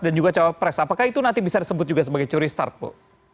dan juga capres apakah itu nanti bisa disebut juga sebagai curi start bu